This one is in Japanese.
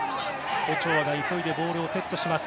オチョアが急いでボールをセット。